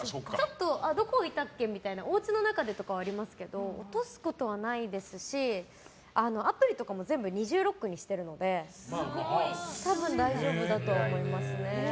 どこ置いたっけみたいなおうちの中ではありますけど落とすことはないですしアプリとかも全部二重ロックにしてるので多分、大丈夫だと思います。